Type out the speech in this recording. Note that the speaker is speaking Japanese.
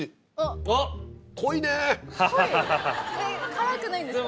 辛くないんですか？